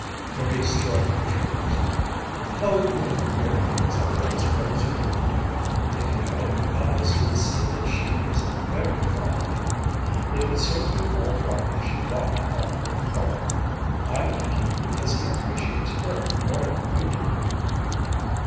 Marie shrugged her shoulders. "Oh, you don't know Alexandra as well as you think you do! If you had any eyes, you would see that she is very fond of him. It would serve you all right if she walked off with Carl. I like him because he appreciates her more than you do."